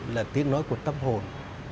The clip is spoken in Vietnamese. là tiếng nói của tâm hồn